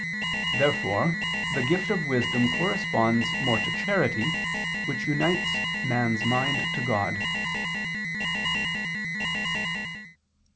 Therefore the gift of wisdom corresponds more to charity which unites man's mind to God.